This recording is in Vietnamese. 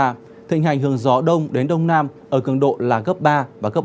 ảnh hưởng gió đông đến đông nam ở cường độ là cấp ba và cấp bốn